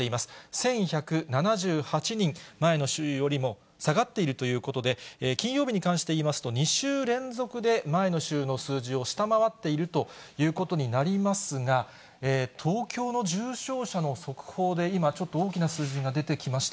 １１７８人、前の週よりも下がっているということで、金曜日に関して言いますと、２週連続で前の週の数字を下回っているということになりますが、東京の重症者の速報で、今ちょっと大きな数字が出てきました。